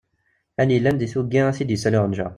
Ayen yellan di tuggi ad t-id-issali uɣenǧa.